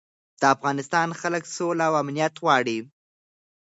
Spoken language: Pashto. د افغانستان خلک سوله او امنیت غواړي.